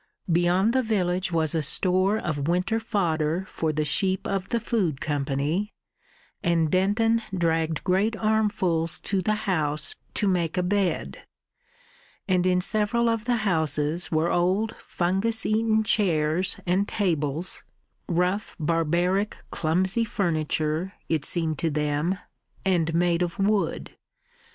Beyond the village was a store of winter fodder for the sheep of the Food Company, and Denton dragged great armfuls to the house to make a bed; and in several of the houses were old fungus eaten chairs and tables rough, barbaric, clumsy furniture, it seemed to them, and made of wood.